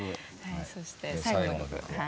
そして最後の曲。